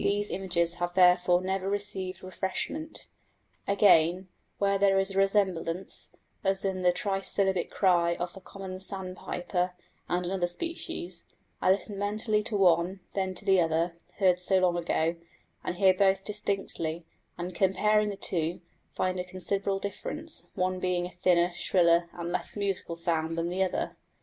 These images have therefore never received refreshment. Again, where there is a resemblance, as in the trisyllabic cry of the common sandpiper and another species, I listen mentally to one, then to the other, heard so long ago, and hear both distinctly, and comparing the two, find a considerable difference, one being a thinner, shriller, and less musical sound than the other.